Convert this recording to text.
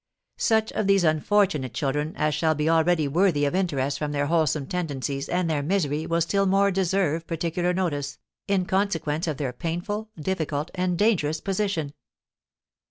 Such of these unfortunate children as shall be already worthy of interest from their wholesome tendencies and their misery will still more deserve particular notice, in consequence of their painful, difficult, and dangerous position.